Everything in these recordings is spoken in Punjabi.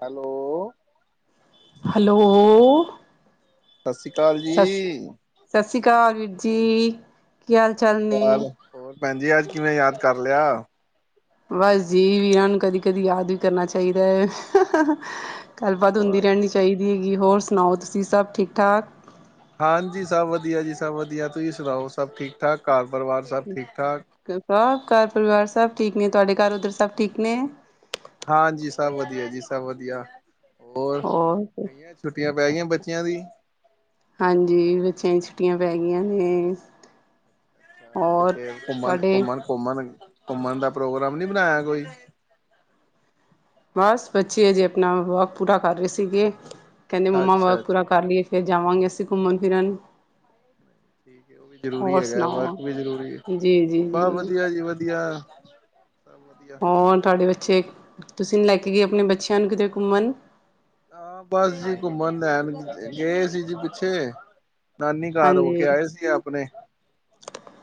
ਹੈਲੋ, ਹੈਲੋ ਸਤਿ ਸ੍ਰੀ ਅਕਾਲ ਜੀ। ਸ਼੍ਰੀ ਅ ਸਤਿ ਸ੍ਰੀ ਅਕਾਲ ਵੀਰ ਜੀ। ਕੀ ਹਾਲ ਚਾਲ ਸਤਿ ਸ਼੍ਰੀ ਨੇ ਅਕਾਲ, ਹੋਰ ਭੈਣ ਜੀ ਅੱਜ ਕਿਵੇ ਯਾਦ ਕਰ ਲਿਆ ਬਸ ਜੀ ਵੀਰਾ ਨੂੰ ਕਦੀ ਕਦੀ ਯਾਦ ਵੀ ਕਰਨਾ ਚਾਹੀਦਾ ਹੈ। ਗੱਲਬਾਤ ਹੁੰਦੀ ਵਾਹ ਰਹਿਣੀ ਜੀ ਵਾਹ। ਚਾਹੀਦੀ ਐ, ਹੈਗੀ ਹੋਰ ਸੁਣਾਓ ਤੁਸੀ ਸਭ ਠੀਕ ਠਾਕ? ਹਾਂਜੀ ਸਭ ਵਧੀਆ ਜੀ ਸਭ ਵਧੀਆ, ਤੁਸੀਂ ਸੁਣਾਓ? ਸਭ ਠੀਕ ਠਾਕ ਘਰ ਪਰਿਵਾਰ ਸਭ ਠੀਕ ਠਾਕ? ਸਭ ਘਰ ਪਰਿਵਾਰ ਸਭ ਠੀਕ ਨੇ, ਤੁਹਾਡੇ ਘਰ ਉਧਰ ਸਭ ਠੀਕ ਨੇ? ਹਾਂਜੀ ਸਭ ਵਧੀਆ ਜੀ ਸਭ ਵਧੀਆ ਹੋਰ ਛੁੱਟੀਆਂ ਪੈ ਗਈਆਂ ਬੱਚਿਆਂ ਦੀ ਹਾਂਜੀ ਬੱਚਿਆਂ ਦੀ ਛੁੱਟੀਆਂ ਪੈ ਗਈਆਂ ਨੇ ਹੋਰ ਤੁਹਾਡੇ ਘੁੰਮਣ-ਘੁੰਮਣ ਦਾ ਪ੍ਰੋਗਰਾਮ ਨੀ ਬਣਾਇਆ ਕੋਈ ਬਸ ਬੱਚੇ ਹਜੇ ਆਪਣਾ ਵਰਕ ਪੂਰਾ ਕਰ ਰਹੇ ਸੀਗੇ, ਕਹਿਦੇ ਮੰਮਾ ਅੱਛਾ ਵਰਕ ਪੂਰਾ ਅੱਛਾ, ਕਰ ਲਈਏ ਫਿਰ ਜਾਵਾਂਗੇ, ਅਸੀ ਘੁੰਮਣ ਫਿਰਨ ਠੀਕ ਹੈ ਉਹ ਵੀ ਜ਼ਰੂਰੀ ਹੋਰ ਹੈਗਾ, ਸੁਣਾਓ ਵਰਕ ਵੀ ਜ਼ਰੂਰੀ ਜੀ ਜੀ ਬਾਹ ਵਧੀਆ ਜੀ ਵਧੀਆ ਸਭ ਵਧੀਆ। ਔਰ ਤੁਹਾਡੇ ਬੱਚੇ ਤੁਸੀਂ ਲੈ ਕੇ ਗਏ, ਆਪਣੇ ਬੱਚਿਆਂ ਨੂੰ ਕਿਤੇ ਘੁੰਮਣ ਹਾਂ ਬਸ ਜੀ ਘੁੰਮਣ ਲੈਣ ਗਏ ਸੀ ਜੀ ਪਿੱਛੇ ਨਾਨੀ ਘਰ ਹੋ ਹਾਂਜੀ ਕੇ ਆਏ ਸੀ, ਆਪਣੇ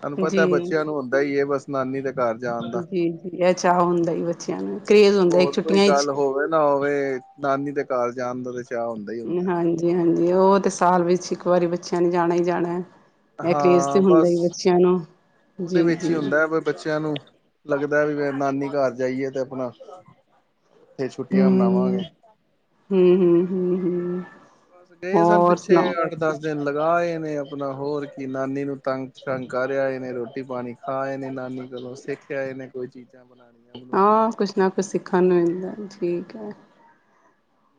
ਤਹਾਨੂੰ ਜੀ ਪਤਾ ਬੱਚਿਆਂ ਨੂੰ ਹੁੰਦਾ ਹੀ ਇਹ ਬਸ ਨਾਨੀ ਦਾ ਘਰ ਜਾਣ ਜੀ ਜੀ ਇਹ ਚਾਅ ਹੁੰਦਾ, ਬੱਚਿਆਂ ਨੂੰ ਕਰੇਜ਼ ਹੁੰਦਾ ਹੋਰ ਕੋਈ ਛੁੱਟੀਆਂ ਹੀ ਗੱਲ ਹੋਵੇ ਨਾ ਹੋਵੇ ਨਾਨੀ ਤੇ ਘਰ ਜਾਣ ਦਾ ਤੇ ਚਾਅ ਹੁੰਦਾ ਹੀ ਹੁੰਦਾ ਹਾਂਜੀ ਹਾਂਜੀ ਉਹ ਤੇ ਸਾਲ ਵਿਚ ਇਕ ਵਾਰੀ ਬੱਚਿਆਂ ਨੇ ਜਾਣਾ ਹੀ ਜਾਣਾ ਇਹ ਕਰੇਜ਼ ਤੇ ਹਾਂ ਹੁੰਦਾ ਬਸ ਹੀ ਬੱਚਿਆਂ ਨੂੰ ਉਹਦੇ ਜੀ ਵਿਚ ਜੀ ਹੀ ਹੁੰਦਾ ਹੈ, ਬ ਬੱਚਿਆਂ ਨੂੰ ਲੱਗਦਾ ਵੀ ਮੈ ਨਾਨੀ ਘਰ ਜਾਈਏ, ਤੇ ਆਪਣਾ ਉਥੇ ਛੁੱਟੀਆਂ ਮਨਾਵਾਂਗੇ ਹੂੰ-ਹੂੰ-ਹੂੰ-ਹੂੰ, ਬਸ ਗਏ ਸਨ ਪਿੱਛੇ ਦਸ ਦਿਨ ਲਗਾਏ, ਨੇ ਆਪਣਾ ਹੋਰ ਕੀ ਨਾਨੀ ਨੂੰ ਤੰਗ-ਸ਼ੰਗ ਕਰ ਆਏ ਨੇ ਰੋਟੀ-ਪਾਣੀ ਖਾ ਆਏ ਨੇ ਨਾਨੀ ਕੋਲੋਂ ਸਿੱਖ ਆਏ, ਨੇ ਕੋਈ ਚੀਜ਼ਾਂ ਬਣਾਉਣੀਆਂ। ਬਣਾਉਣੀਆਂ ਹਾਂ ਕੁਛ ਨਾ ਕੁਛ ਸਿੱਖਣ ਨੂੰ ਮਿਲਦਾ ਠੀਕ ਹੈ।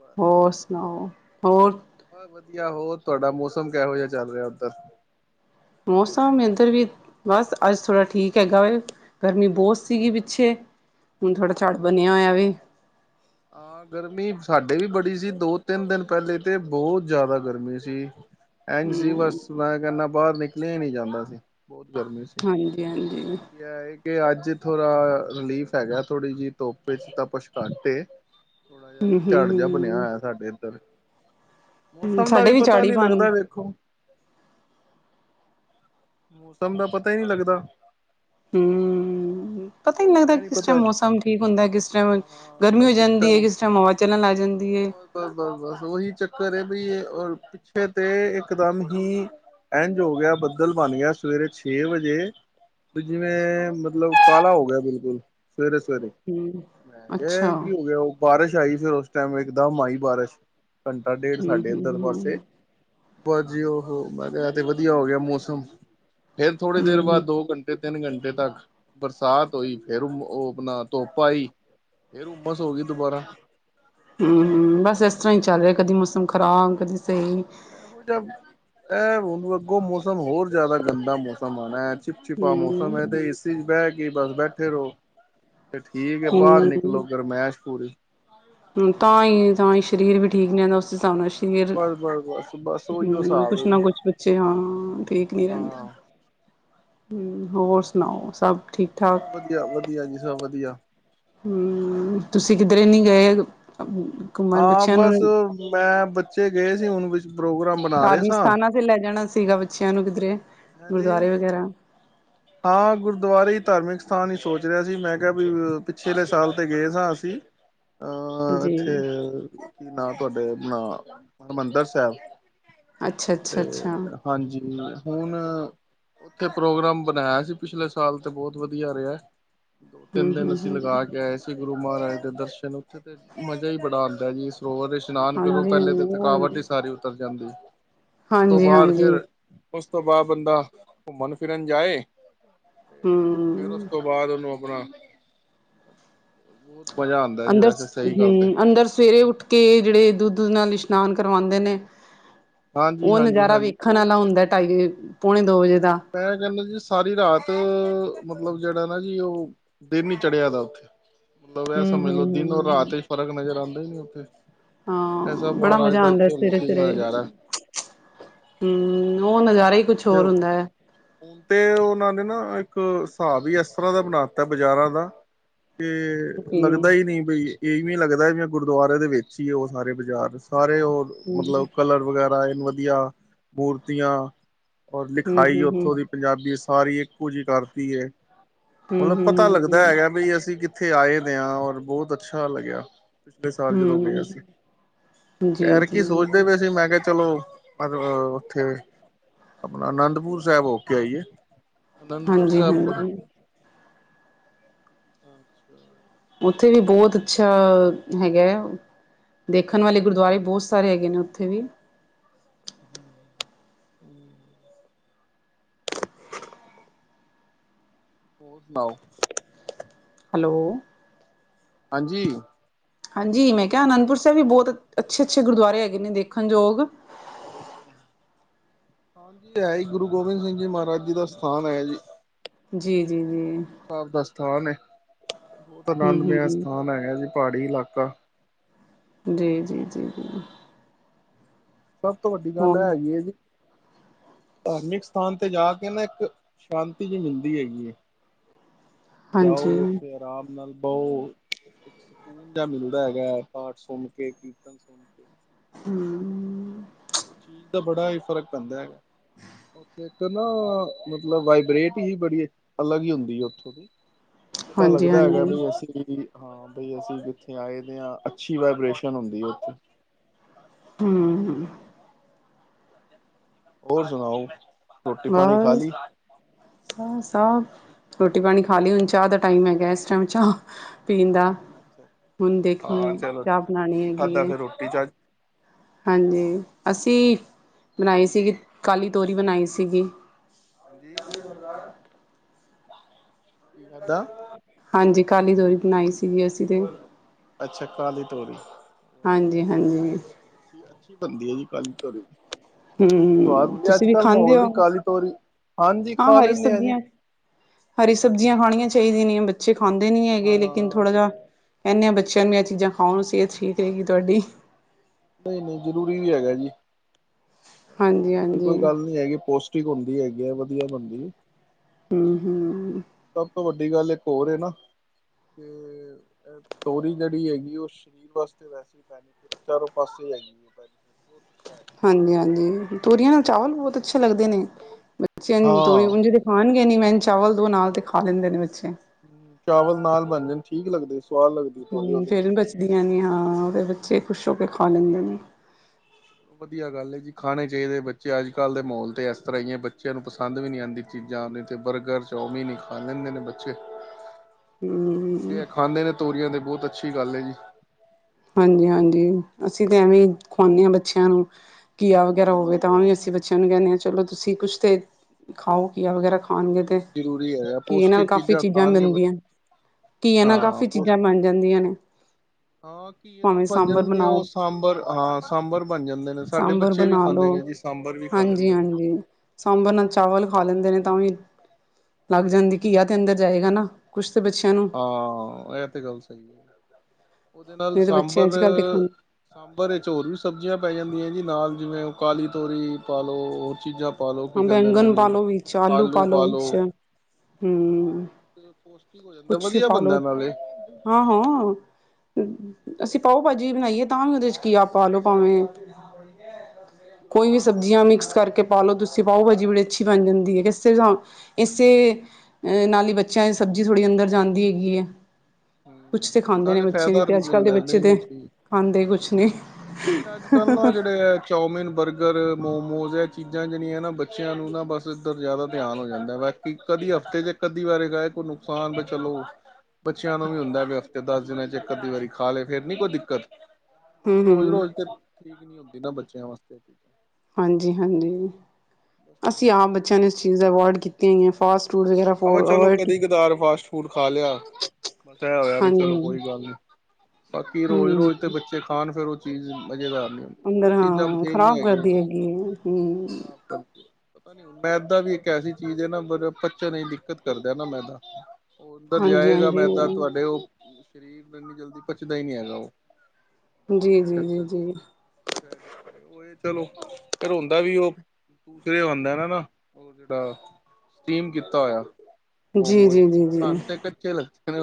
ਬਸ ਹੋਰ ਵਧੀਆ ਸੁਣਾਓ ਹੋਰ? ਬਸ ਵਧੀਆ, ਹੋਰ ਤੁਹਾਡਾ ਮੌਸਮ ਕਿਹੋ ਜਿਹਾ ਚੱਲ ਰਿਹਾ ਉੱਧਰ? ਮੌਸਮ ਇੰਧਰ ਵੀ ਬਸ ਅੱਜ ਥੋੜ੍ਹਾ ਠੀਕ ਹੈਗਾ ਏ ਗਰਮੀ ਬਹੁਤ ਸੀਗੀ ਅੱਛਾ ਪਿੱਛੇ ਹੁਣ ਥੋੜਾ ਝੜ ਬਣਿਆ ਅੱਛਾ ਹੋਇਆ ਵੇ। ਹਾਂ ਗਰਮੀ ਸਾਡੇ ਵੀ ਬੜੀ ਸੀ ਦੋ-ਤਿੰਨ ਦਿਨ ਪਹਿਲੇ ਤੇ ਬਹੁਤ ਜ਼ਿਆਦਾ ਗਰਮੀ ਸੀ। ਐਂਜ ਸੀ ਹੂੰ ਬਸ ਮੈਂ ਕਹਨਾ ਬਾਹਰ ਨਿਕਲਿਆ ਹੀ ਨਹੀਂ ਜਾਂਦਾ ਸੀ, ਬਹੁਤ ਗਰਮੀ ਸੀ। ਹਾਂਜੀ-ਹਾਂਜੀ‌। ਕੇ ਅੱਜ ਥੋੜਾ ਰਿਲੀਫ਼ ਹੈਗਾ, ਥੋੜ੍ਹੀ ਜੀ ਧੁੱਪ ਚ ਤਪਸ਼ ਘੱਟ ਏ। ਥੋੜਾ ਜਿਹਾ ਹੂੰ ਨਾ ਝੜ ਜਿਹਾ ਬਣਿਆ, ਹੂੰ ਹੋਇਆ ਸਾਡੇ ਇੱਧਰ। ਹੂੰ ਮੌਸਮ ਦਾ ਸਾਡੇ ਵੀ ਪਤਾ ਝਾੜ ਹੀ ਨੀ ਬਣ ਲੱਗਦਾ ਵੇਖੋ। ਮੌਸਮ ਦਾ ਪਤਾ ਹੀ ਨਹੀਂ ਲੱਗਦਾ। ਹੂੰ ਪਤਾ ਹੀ ਨਹੀਂ ਲੱਗਦਾ, ਇਹ ਨੀ ਕਿਸ ਟਾਈਮ ਪਤਾ ਮੌਸਮ ਠੀਕ ਹੁੰਦਾ ਕਿਸ ਟਾਈਮ ਗਰਮੀ ਹੋ ਜਾਂਦੀ ਹੈ, ਕਿਸ ਟਾਈਮ ਹਵਾ ਚੱਲਣ ਆ ਜਾਂਦੀ ਹੈ। ਬ ਬਸ ਬਸ ਉਹੀ ਚੱਕਰ ਬਈ ਰ ਪਿੱਛੇ ਤੇ ਇਕ ਦਮ ਹੀ ਇੰਝ ਹੋ ਗਿਆ ਬੱਦਲ ਬਣ ਗਿਆ, ਸਵੇਰੇ ਛੇ ਵਜੇ ਵੀ ਜਿਵੇਂ ਮਤਲਬ ਕਾਲਾ ਹੋ ਗਿਆ, ਬਿਲਕੁਲ ਸਵੇਰੇ-ਸਵੇਰੇ। ਹੂੰ ਮੈਂ ਕਿਆ ਇਹ ਅੱਛਾ ਕਿ ਹੋ ਗਿਆ, ਉਹ ਬਾਰਿਸ਼ ਆਈ, ਫਿਰ ਉਸ ਟਾਈਮ ਇੱਕ ਦਮ ਆਈ ਬਾਰਿਸ਼ ਘੰਟਾ ਡੇਢ ਹੂੰ ਸਾਡੇ ਇੱਧਰ ਪਾਸੇ। ਹੂੰ ਬਸ ਜੀ ਉਹੋ ਮੈਂ ਕਿਹਾ ਤੇ ਵਧੀਆ ਹੋ ਗਿਆ, ਮੌਸਮ ਫੇਰ ਥੋੜੀ ਦੇਰ ਹੂੰ ਬਾਅਦ ਦੋ ਘੰਟੇ ਤੇ ਤਿੰਨ ਘੰਟੇ ਤੱਕ ਬਰਸਾਤ ਹੋਈ, ਫੇਰ ਉਹ ਉਹ ਆਪਣਾ ਧੁੱਪ ਆਈ ਫੇਰ ਉਹ ਬਸ ਹੋ ਗਈ ਦੁਬਾਰਾ। ਹਮ ਬਸ ਇਸ ਤਰ੍ਹਾਂ ਹੀ ਚੱਲ ਰਿਹਾ ਕਦੀ ਮੌਸਮ ਖਰਾਬ ਕਦੀ ਸਹੀ। [unintelligible] ਇਹ ਹੁਣ ਅੱਗੋਂ ਮੌਸਮ ਹੋਰ ਜਿਆਦਾ ਗੰਦਾ ਮੌਸਮ ਆਉਣਾ। ਚਿਪਛਿਪਾ ਮੌਸਮ ਹੈ ਹੂੰ ਤੇ ਏਸੀ ਚ ਬਹਿ ਕੇ ਬਸ ਬੈਠੇ ਰਹੋ। ਤੇ ਠੀਕ ਹੈ ਬਾਹਰ ਹੂੰ ਨਿਕਲੋ ਗਰਮੈਸ਼ ਪੂਰੀ ਹਮ ਤਾਂ ਹੀ ਤਾਂ ਹੀ ਸ਼ਰੀਰ ਵੀ ਠੀਕ ਨਹੀਂ ਹੈਗਾ ਉਸ ਹਿਸਾਬ ਨਾਲ ਫਿਰ ਬਸ ਬਸ ਬਸ ਬਸ ਉਹੀਓ ਹਮ ਹਿਸਾਬ ਹੈ ਕੁਛ ਜੀ ਨਾ ਕੁਛ ਬੱਚੇ ਹਾਂ ਠੀਕ ਨੀ ਰਹਿੰਦੇ। ਹਾਂ ਹਮ ਹੋਰ ਸੁਣਾਓ ਸਭ ਠੀਕ ਠਾਕ? ਵਧੀਆ-ਵਧੀਆ ਜੀ ਸਭ ਵਧੀਆ। ਹਮ ਤੁਸੀਂ ਕਿਧਰੇ ਨਹੀਂ ਗਏ ਘੁੰਮਣ ਹਾਂ ਬੱਚਿਆਂ ਨੂੰ ਬਸ ਮੈਂ ਬੱਚੇ ਗਏ ਸੀ ਹੁਣ ਪ੍ਰੋਗਰਾਮ ਬਣਾ ਰਹੇ ਧਾਰਮਿਕ ਸਾਂ ਸਥਾਨਾਂ ਤੇ ਲੈ ਜਾਣਾ ਸੀਗਾ ਬੱਚਿਆਂ ਨੂੰ ਕਿਧਰੇ ਹਾਂਜੀ ਗੁਰਦੁਆਰੇ ਵਗੈਰਾ। ਹਾਂ ਗੁਰਦੁਆਰੇ ਹੀ ਧਾਰਮਿਕ ਸਥਾਨ ਹੀ ਸੋਚ ਰਿਹਾ ਸੀ ਮੈਂ ਕਿਹਾ ਵੀ ਪਿਛਲੇ ਸਾਲ ਤੇ ਗਏ ਸਾਂ ਅਸੀਂ [inaudible] ਅਹ ਜੀ ਇੱਥੇ ਕੀ ਨਾਂ ਤੁਹਾਡੇ ਅਪਣਾ ਹਰਿਮੰਦਰ ਸਾਹਿਬ। ਅੱਛਾ ਅੱਛਾ ਤੇ ਅੱਛਾ ਹਾਂਜੀ ਹੁਣ ਉੱਥੇ ਪ੍ਰੋਗਰਾਮ ਬਣਾਇਆ ਸੀ ਪਿਛਲੇ ਸਾਲ ਤੇ ਬਹੁਤ ਵਧੀਆ ਰਿਹਾ, ਦੋ ਤਿੰਨ ਹੂੰ ਦਿਨ ਹੂੰ ਅਸੀਂ ਹੂੰ ਲਗਾ ਕੇ ਆਏ ਸੀ। ਗੁਰੂ ਮਹਾਰਾਜ ਦੇ ਦਰਸ਼ਨ ਉੱਥੇ ਤੇ ਮਜ਼ ਹੀ ਬੜਾ ਆਉਂਦਾ ਜੀ ਸਰੋਵਰ ਇਸ਼ਨਾਨ ਕਰੋ ਹਾਂਜੀ ਪਹਿਲੇ ਤੇ ਥਕਾਵਟ ਹਾਂਜੀ ਹੀ ਸਾਰੀ ਉਤਰ ਜਾਂਦੀ, ਉਸ ਤੋਂ ਹਾਂਜੀ ਬਾਅਦ ਹਾਂਜੀ ਫਿਰ ਉਸ ਤੋਂ ਬਾਅਦ ਬੰਦਾ ਘੁੰਮਣ ਫਿਰਨ ਜਾਏ। ਹਮ। ਫੇਰ ਉਸ ਤੋਂ ਬਾਅਦ ਉਹਨੂੰ ਆਪਣਾ ਬਹੁਤ ਮਜ਼ਾ ਆਉਂਦਾ ਜੀ ਅੰਦਰ ਵੈਸੇ ਸਹੀ ਗੱਲ ਤੇ ਹਮ ਅੰਦਰ ਸਵੇਰੇ ਉੱਠ। ਕੇ ਜਿਹੜੇ ਦੁੱਧ ਨਾਲ ਇਸ਼ਨਾਨ ਕਰਵਾਉਂਦੇ ਨੇ। ਹਾਂਜੀ ਉਹ ਹਾਂਜੀ ਨਜ਼ਾਰਾ ਹਾਂਜੀ ਵੇਖਣ ਉਹ ਵਾਲਾ ਤੇ ਹੁੰਦਾ ਢਾਈ ਵਜੇ ਪੌਣੇ ਦੋ ਵਜੇ ਦਾ। ਮੈਂ ਕਹਿੰਦਾ ਜੀ ਸਾਰੀ ਰਾਤ ਮਤਲਬ ਜਿਹੜਾ ਨਾ ਜੀ ਉਹ। ਦਿਨ ਨੀ ਚੜਿਆਦਾ ਉੱਥੇ। ਮਤਲਬ ਇਹ ਹਮ ਹਮ ਸਮਝ ਲਓ ਹਮ ਦਿਨ ਔਰ ਹਮ ਹਮ ਰਾਤ ਚ ਫ਼ਰਕ ਨਜ਼ਰ ਆਉਂਦਾ ਏ ਉੱਥੇ। ਐਸਾ ਹਾਂ ਬੜਾ ਮਹਾਰਾਜ ਮਜ਼ਾ ਦਾ ਆਉਂਦਾ ਉੱਥੇ ਸਵੇਰੇ ਲੋਕੀ ਸਵੇਰੇ ਨਜ਼ਾਰਾ। ਹਮ ਉਹ ਨਜ਼ਾਰਾ ਹੀ ਕੁਛ ਤੇ ਹੋਰ ਹੁੰਦਾ ਏ। ਹੁਣ ਤੇ ਉਹਨਾਂ ਨੇ ਨਾ ਇੱਕ ਸਾਬ ਈ ਇਸ ਤਰ੍ਹਾਂ ਦਾ ਬਣਾ ਦਿੱਤਾ ਬਜ਼ਾਰਾਂ ਦਾ। ਤੇ। ਜੀ ਲੱਗਦਾ ਹੀ ਨੀ ਬਈ ਇਹ ਵੇ ਲੱਗਦਾ ਵੀ ਗੁਰਦੁਆਰੇ ਦੇ ਵਿੱਚ ਹੀ ਉਹ ਸਾਰੇ ਬਾਜ਼ਾਰ ਸਾਰੇ ਉਹ। ਹਮ ਮਤਲਬ ਕਲਰ ਵਗੈਰਾ ਵਧੀਆ ਮੂਰਤੀਆਂ ਔਰ ਹਮ ਲਿਖਾਈ। ਹਮ ਉੱਥੋਂ ਦੀ ਪੰਜਾਬੀ ਸਾਰੀ ਇੱਕੋ ਜਿਹੀ ਕਰਤੀ ਹੈ ਹਮ ਮਲਬ ਪਤਾ ਲੱਗਦਾ ਹਮ ਹੈਗਾ ਬਈ ਅਸੀਂ ਕਿੱਥੇ। ਇੱਥੇ ਆਏ ਦੇ ਆ ਔਰ ਬਹੁਤ ਅੱਛਾ ਲੱਗਿਆ। ਪਿਛਲੇ ਸਾਲ ਜਦੋਂ ਗਿਆ ਹਮ ਹਮ ਸੀ ਜੀ ਐਰ ਕੀ ਜੀ ਸੋਚਦੇ ਪਏ ਸੀ ਮੈਂ ਕਿਹਾ ਚਲੋ। ਮਤਲਬ ਉੱਥੇ ਆਪਣਾ ਅਨੰਦਪੁਰ ਸਾਹਿਬ ਹੋਕੇ ਆਈਏ। ਅਨੰਦਪੁਰ ਹਾਂਜੀ ਸਾਹਿਬ। ਹਾਂਜੀ ਅੱਛਾ। ਉੱਥੇ ਵੀ ਬਹੁਤ ਅੱਛਾ ਹੈਗਾ ਐਂ ਦੇਖਣ ਵਾਲੇ ਗੁਰਦੁਆਰੇ ਬਹੁਤ। ਸਾਰੇ ਹੈਗੇ ਨੇ ਉੱਥੇ ਵੀ। ਹਮ, ਹਮ। [inaudible] ਹੋਰ ਸੁਣਾਓ? ਹੈਲੋ। ਹਾਂਜੀ। ਹਾਂਜੀ ਮੈਂ ਕਿਹਾ ਅਨੰਦਪੁਰ ਸਾਹਿਬ ਵੀ ਬਹੁਤ ਅੱਛੇ-ਅੱਛੇ ਗੁਰਦੁਆਰੇ ਹੈਗੇ ਨੇ ਦੇਖਣਜੋਗ। ਹਾਂਜੀ ਹੈਈ ਗੁਰੂ ਗੋਬਿੰਦ ਸਿੰਘ ਜੀ ਮਹਾਰਾਜ ਜੀ ਦਾ ਸਥਾਨ ਹੈ ਜੀ। ਜੀ ਜੀ ਜੀ। ਗੁਰ ਸਾਹਿਬ ਦਾ ਸਥਾਨ ਹੈ ਬਹੁਤ ਹਮ ਆਨੰਦਮਯ ਹਮ ਸਥਾਨ ਹੈ ਜੀ ਪਹਾੜੀ ਇਲਾਕਾ। ਜੀ ਜੀ ਜੀ ਜੀ। ਸਭ ਤੋਂ ਵੱਡੀ ਗੱਲ ਹੋਰ ਇਹ ਹੈਗੀ ਹੈ ਜੀ। ਧਾਰਮਿਕ ਸਥਾਨ ਤੇ ਜਾ ਕੇ ਨਾ ਇੱਕ, ਸ਼ਾਂਤੀ ਜੀ ਮਿਲਦੀ ਹੈਗੀ ਹੈ। ਜਾਓ ਹਾਂਜੀ ਉੱਥੇ ਆਰਾਮ ਨਾਲ ਬੋ। ਸਕੂਨ ਜਿਹਾ ਮਿਲਦਾ ਹੈਗਾ। ਪਾਠ ਸੁਣ ਕੇ, ਕੀਰਤਨ ਸੁਣ ਕੇ। ਹੂੰ ਚੀਜ਼ ਦਾ ਬੜਾ ਹੀ ਫ਼ਰਕ ਪੈਂਦਾ ਹੈਗਾ। ਇੱਕ ਨਾ ਮਤਲਬ, ਵਾਈਬਰੇਟ ਹੀ ਬੜੀ ਅਲੱਗ ਹੀ ਹੁੰਦੀ ਹੈ ਉੱਥੋਂ ਦੀ। ਪਤਾ ਹਾਂਜੀ ਲੱਗਦਾ ਹੈਗਾ ਹਾਂਜੀ ਬਈ ਅਸੀਂ ਵੀ ਜੀ ਹਾਂ ਬਈ ਅਸੀਂ ਜਿੱਥੇ ਆਏ ਦੇ ਹਾਂ। ਅੱਛੀ ਵਾਈਬ੍ਰੇਸ਼ਨ ਹੁੰਦੀ ਆ ਉੱਥੇ। ਹੂੰ ਹੂੰ। ਹੋਰ ਸੁਣਾਓ। ਰੋਟੀ ਪਾਣੀ ਖਾ ਬਸ। ਲਈ ਹੁਣ ਸਭ ਰੋਟੀ ਪਾਣੀ ਖਾਲੀ ਹੁਣ ਚਾਹ ਦਾ ਟਾਈਮ ਹੈਗਾ। ਇਸ ਟਾਈਮ ਚਾਹ ਪੀਣ ਦਾ। ਅੱਛਾ ਹੁਣ ਹਾਂ ਦੇਖਨੀ ਚਲੋ ਚਾਹ ਠੀਕ ਹੈ ਬਣਾਉਣੀ ਹੈਗੀ ਏ। ਕੀ ਚਾ ਹਾਂਜੀ। ਅਸੀਂ ਬਣਾਈ ਸੀਗੀ, ਕਾਲੀ ਤੋਰੀ ਬਣਾਈ ਸੀਗੀ। ਹਾਂਜੀ। [unintelligible] ਕੀ ਖਾਦਾ? ਹਾਂਜੀ ਕਾਲੀ ਤੋਰੀ ਬਣਾਈ ਸੀਗੀ ਅਸੀਂ ਤੇ। ਅੱਛਾ। ਕਾਲੀ ਤੋਰੀ‌ ਹਾਂਜੀ-ਹਾਂਜੀ। ਅੱਛੀ-ਅੱਛੀ ਬਣਦੀ ਹੈ ਜੀ ਕੱਲ ਤੋਰੀ। ਸਵਾਦ ਹੂੰ ਤੁਸੀਂ ਵੀ ਅੱਜ-ਕੱਲ ਖਾਂਦੇ ਮਹੌਲ ਹੋ ਦੀ ਕਾਲੀ ਤੋਰੀ, ਹਾਂਜੀ ਹਾਂ ਖਾ ਹਰੀ ਲੈਂਨੇ ਆ ਜੀ। ਸਬਜ਼ੀਆਂ ਹਰੀ ਸਬਜ਼ੀਆਂ ਖਾਣੀਆਂ ਚਾਹੀਦੀਆਂ ਨੇ, ਬੱਚੇ ਖਾਂਦੇ ਨੀ ਹੈਗੇ ਲੇਕਿਨ ਥੋੜ੍ਹਾ ਜਿ- ਹਾਂ ਕਹਿੰਨੇ ਆਂ ਬੱਚਿਆਂ ਨੂੰ ਇਹ ਚੀਜ਼ਾਂ ਖਾਉਣ। ਸਿਹਤ ਠੀਕ ਰਹੇਗੀ ਤੁਹਾਡੀ। ਨਈਂ-ਨਈਂ ਜ਼ਰੂਰੀ ਵੀ ਹੈਗਾ ਜੀ। ਹਾਂਜੀ ਐਸੀ ਹਾਂਜੀ ਕੋਈ ਗੱਲ ਨੀ ਹੈਗੀ ਪੋਸ ਟੀਕ ਹੁੰਦੀ ਹੈਗੀ ਐ। ਵਧੀਆ ਬਣਦੀ ਹੂੰ ਹੂੰ ਸਭ ਤੋਂ ਵੱਡੀ ਗੱਲ ਇੱਕ ਹੋਰ ਏ ਨਾ, ਤੇ ਅ ਤੋਰੀ ਜਿਹੜੀ ਹੈਗੀ ਏ, ਉਹ ਸ਼ਰੀਰ ਵਾਸਤੇ ਵੈਸੇ ਬੈਸਟ ਚਾਰੋਂ ਪਾਸੇ ਹੈਗੀ ਐਂ। ਹਾਂਜੀ-ਹਾਂਜੀ ਤੋਰੀਆਂ ਨਾ ਚਾਵਲ ਬਹੁਤ ਅੱਛੇ ਲੱਗਦੇ ਨੇ, ਬੱਚਿਆ ਨੂੰ ਤੋਰੀ ਹਾਂ ਜ ਖਾਣਗੇ ਨੀ। ਮੈਂ ਚਾਵਲ ਦੋ ਨਾਲ਼ ਤੇ ਖਾ ਲੈਂਦੇ ਨੇ ਬੱਚੇ। ਹੂੰ। ਚਾਵਲ ਨਾਲ ਬਣ ਜਾਣ ਠੀਕ ਲੱਗਦੇ, ਸਵਾਦ ਲੱਗਦੇ। ਹੂੰ। ਫੇ਼ਰ ਨ ਬਚਦੀਆਂ ਨੇ, ਹਾਂ ਫੇ਼ਰ ਬੱਚੇ ਖੁਸ਼ ਹੋ ਕੇ ਖਾ ਲੈਂਦੇ ਨੇ। ਵਧੀਆ ਗੱਲ ਏ ਜੀ। ਖਾਣੇ ਚਾਹੀਦੇ ਬੱਚੇ ਅੱਜ-ਕੱਲ੍ਹ ਦੇ ਮਾਹੌਲ ਤੇ ਇਸ ਤਰ੍ਹਾਂ ਈ ਐ ਬੱਚਿਆਂ ਨੂੰ ਪਸੰਦ ਵੀ ਨੀ ਆਂਦੀ। ਚੀਜ਼ਾਂ। ਨੇ ਤੇ ਬਰਗਰ ਚੌਮਿਨ ਈ ਖਾ ਲੈਂਦੇ ਨੇ ਬੱਚੇ। [inaudible] ਜੇ ਐ ਖਾਂਦੇ ਨੇ ਤੋਰੀਆਂ। ਤੇ ਬਹੁਤ ਅੱਛੀ ਗੱਲ ਐ ਜੀ। ਹਾਂਜੀ ਹਾਂਜੀ। ਅਸੀਂ ਤੇ ਐਵੇਂ ਈ ਖਵਾਉਂਨੇ ਆਂ ਬੱਚਿਆਂ ਨੂੰ, ਘੀਆ ਵਗੈਰਾ ਹੋਵੇ ਜ਼ਰੂਰੀ ਤਾਂ ਵੀ ਅਸੀਂ ਬੱਚ ਬੱਚਿਆਂ ਨੂੰ ਕਹਦੀਆ ਚਲੋ। ਤੁਸੀਂ ਕੁੱਛ ਤੇ ਖਾਓ ਘੀਆ ਵਗੈਰਾ ਖਾ ਹੋਰ ਨੀ ਤੇ, ਜ਼ਰੂਰੀ ਹੈ ਘੀਆ ਨਾਲ ਪੌਸ਼ਟਿਕ ਕਾਫ਼ੀ ਚੀਜ਼ਾਂ ਖਾਣਗੇ ਬਣ ਦੀਆਂ ਬੱਚੇ ਹਨ। ਤਾਂ ਹੀ ਨਾ ਹਾਂ ਕਾਫ਼ੀ ਪੋਸ਼ ਚੀਜ਼ਾਂ ਬਣ ਜਾਂਦੀਆਂ ਨੇ। ਹਾਂ। ਘੀਆ ਨਾਲ ਭਾਵੇਂ ਬਣ ਸਾਂਬਰ ਜਾਂਦੀ ਆ। ਉਹ ਬਣਾਓ ਸਾਂਬਰ ਹਾਂ ਸਾਂਬਰ ਬਣ ਜਾਂਦੇ ਨੇ ਸਾਡੇ ਬੱਚੇ ਵੀ ਖਾਂਦੇ ਨੇ ਜੀ, ਸਾਂਬਰ ਵੀ। ਖਾ ਲੈਂਦੇ ਨੇ ਹਾਂਜੀ-ਹਾਂਜੀ। ਸਾਂਬਰ ਨਾਲ ਚਾਵਲ ਖਾ ਲੈਂਦੇ ਨੇ, ਤਾਂ ਵੀ ਲੱਗ ਅੱਛਾ ਜਾਂਦੀ ਅੱਛਾ ਘੀਆ ਤੇ ਅੰਦਰ ਜਾਏਗਾ ਨਾ। ਕੁਛ ਤੇ ਬੱਚਿਆਂ ਨੂੰ ਹਾਂ। ਇਹ ਤੇ ਗੱਲ ਸਹੀ ਏ, ਉਹਦੇ ਨਾਲ ਨਹੀਂ ਤੇ ਬੱਚੇ ਸਾਂਬਰ ਅੱਜ ਕੱਲ੍ਹ ਤੇ ਖਾਂਦੇ ਸਾਂਬਰ ਵਿੱਚ ਹੋਰ ਵੀ ਸਬਜ਼ੀਆਂ ਪੈ ਜਾਂਦੀਆਂ ਜੀ। ਨਾਲ਼ ਜਿਵੇਂ ਓ ਕਾਲੀ ਤੋਰੀ ਪਾ ਲਓ ਹੋਰ ਚੀਜ਼ਾਂ ਪਾਲੋ ਕੀ ਹਾਂ ਕਹਿੰਦੇ ਬੈਂਗਨ ਉਹਨੂੰ ਪਾਲੋ ਵਿੱਚ ਆਲੂ ਵਿੱਚ ਪਾਲੋ। ਹੂੰ ਤੇ ਪੌਸ਼ਟਿਕ ਹੋਇਆ ਕੁਛ ਪਾਲੋ, ਹਾਂ-ਹਾਂ ਅਸੀਂ ਪਾਓ ਭਾਜੀ ਬਣਾਈਏ। ਤਾਂ ਵੀ ਉਹਦੇ 'ਚ ਘੀਆ ਪਾ ਲਓ ਭਾਵੇਂ। ਕੋਈ ਵੀ ਸਬਜ਼ੀਆਂ ਮਿਕਸ ਕਰਕੇ ਪਾਲੋ ਤੁਸੀਂ ਪਾਓ ਭਾਜੀ ਬੜੀ ਅੱਛੀ ਬਣ ਜਾਂਦੀ ਏ ਕਿਸ ਇਸੇ ਅਹ ਨਾਲ਼ ਹੀ ਬੱਚਿਆਂ ਸਬਜ਼ੀ ਥੋੜ੍ਹੀ ਅੰਦਰ ਜਾਂਦੀ ਹੈਗੀ ਏ। ਹਮ ਕੁੱਛ ਤੇ ਖਾਂਦੇ ਨੇ ਨਾਲੇ ਬੱਚੇ ਨੀ ਫਾਇਦਾ ਤੇ ਅੱਜ-ਕੱਲ ਦੇ ਮਿਲਦਾ ਬੱਚੇ ਨਹੀਂ ਤੇ ਨਹੀਂ ਠੀਕ ਖਾਂਦੇ ਕੁਛ ਨਹੀਂ। ਨਹੀਂ ਅੱਜ-ਕੱਲ੍ਹ ਨਾ ਜਿਹੜੇ ਆ ਚੌਮਿਨ, ਬਰਗਰ, ਮੋਮੋਸ ਇਹ ਚੀਜ਼ਾਂ ਜਿਹੜੀਆਂ ਨਾ ਬੱਚਿਆਂ ਨੂੰ ਨਾ ਬਸ ਇੱਧਰ ਜ਼ਿਆਦਾ ਧਿਆਨ ਹੋ ਜਾਂਦਾ ਵਾ। ਕਿ ਕਦੀ ਹਫ਼ਤੇ 'ਚ ਇੱਕ-ਅੱਧੀ ਵਾਰੀ ਖਕੋਈ ਨੁਕਸਾਨ ਬਈ ਚਲੋ [unintelligible] ਬੱਚਿਆਂ ਨੂੰ ਵੀ ਹੁੰਦਾ ਵੀ ਹਫ਼ਤੇ ਦਸ ਦਿਨਾਂ ਚ ਇੱਕ-ਅੱਧੀ ਵਾਰੀ ਖਾ ਲਏ ਫੇ਼ਰ ਨੀ ਕੋਈ ਦਿੱਕਤ ਹੂੰ ਹੂੰ ਰੋਜ਼-ਰੋਜ਼ ਠੀਕ ਨੀ ਹੁੰਦੀ ਨਾ ਬੱਚਿਆਂ ਵਾਸਤੇ। ਹਾਂਜੀ-ਹਾਂਜੀ ਬਸ ਇਹੀ ਅਸੀਂ ਆਪ ਗੱਲ ਹੈ। ਬੱਚਿਆਂ ਨੂੰ ਇਸ ਚੀਜ਼ ਅਵੋਇਡ ਕੀਤੀ ਹੋਈਆਂ ਫਾਸਟ-ਫੂਡ ਵਗੈਰਾ। ਆਪੈ ਚਲੋ ਅਵੋਇਡ ਕੀ ਕਦੀ-ਕਦਾਰ ਫਾਸਟ ਫੂਡ ਖਾ ਲਿਆ। ਬੱਟ ਐ ਹੋਇਆ ਵੀ ਚਲੋ ਕੋਈ ਹਾਂਜੀ ਗੱਲ ਨੀ, ਬਾਕੀ ਰੋਜ਼-ਰੋਜ਼ ਤੇ ਹੂੰ ਬੱਚੇ ਖਾਣ ਫ਼ਿਰ ਚੀਜ਼ ਮਜ਼ੇਦਾਰ ਨੇ ਅੰਦਰਾਂ ਖ਼ਰਾਬ ਕਰ ਦੀ ਹੈਗੀ ਐ। [unintelligible] ਪਤਾ ਨੀ ਮੈਦਾ ਵੀ ਇੱਕ ਐਸੀ ਚੀਜ਼ ਐ ਨਾ ਪਰ ਬੱਚੇ ਨੇ ਦਿੱਕਤ ਕਰਦੈ ਨਾ ਮੈਦਾ। ਓਧਰ ਹਾਂਜੀ ਜਾਏਗਾ ਹਾਂਜੀ ਮੈਦਾ ਤੁਹਾਡੇ ਉਹ ਸਰੀਰ ਨੂੰ ਇੰਨੀ ਜਲਦੀ ਪਚਦਾ ਈ ਨੀ ਹੈਗਾ ਉਹ [unintelligible] ਜੀ ਜੀ ਆ ਜੀ ਚੱਕਰ ਜੀ ਆ ਚਲੋ ਫ਼ਿਰ ਹੁੰਦਾ ਵੀ ਓ, ਦੂਸਰੇ ਆਂਦੇ ਨਾ ਨਾ ਉਹ ਜਿਹੜਾ ਸਟੀਮ ਕੀ ਤਾ ਹੋਇਆ ਜੀ ਜੀ ਮੋਮੋ ਜੀ ਜੀ ਜੀ ਤੇ ਹੂੰ ਕੱਚੇ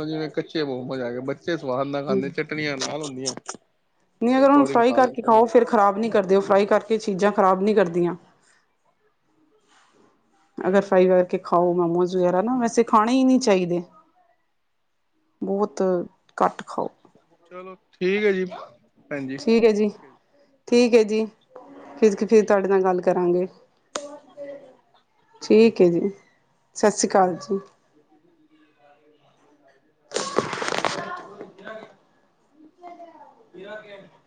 ਜਿਵੇ ਕੱਚੇ ਮੋਮੋਜ਼ ਆ [unintelligible] ਬੱਚੇ ਸਵਾਦ ਨਾਲ ਖਾਂਦੇ ਚਟਣੀਆਂ ਨਾਲ ਹੁੰਦੀਆਂ ਨਹੀਂ ਉਹਦੇ ਅਗਰ ਉਹਨੂੰ ਅਕੋਰਡਿੰਗ ਫਰਾਈ ਖਾ ਕਰਕੇ ਲੈਂਦੇ ਖਾਓ ਨੇ। ਫਿਰ ਖ਼ਰਾਬ ਨਹੀਂ ਕਰਦੇ ਉਹ ਫਰਾਈ ਕਰਕੇ ਚੀਜ਼ਾਂ ਖਰਾਬ ਨਹੀਂ ਕਰਦੀਆਂ। [inaudible] ਅਗਰ ਫਰਾਈ ਕਰਕੇ ਖਾਓ ਨਾ ਮੈਮੋ ਵਗੈਰਾ ਨਾ ਵੈਸੇ ਖਾਣੇ ਹੀ ਨੀ ਚਾਹੀਦੇ। ਉਹ। ਬਹੁਤ ਘੱਟ ਖਾਓ। ਚਲੋ ਠੀਕ ਹੈ ਜੀ। ਠੀਕ ਐ ਜੀ ਠੀਕ ਐ ਜੀ ਫਿਰ ਫਿਰ ਓਕੇ ਤੁਹਾਡੇ ਨਾਲ ਸਤਿ ਗੱਲ ਕਰਾਂਗੇ। [inaudible] [inaudible] ਠੀਕ ਐ ਜੀ ਸਤਿ ਸ਼੍ਰੀ ਅਕਾਲ ਜੀ। [unintelligible]